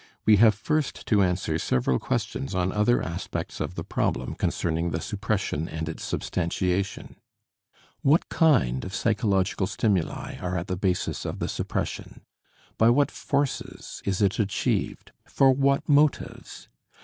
We have first to answer several questions on other aspects of the problem concerning the suppression and its substantiation: What kind of psychological stimuli are at the basis of the suppression; by what forces is it achieved; for what motives?